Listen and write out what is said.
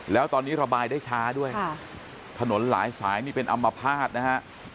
แล้วตอนนี้ระบายได้ช้าด้วยถนนหลายสายนี่เป็นอัมพาตนะฮะ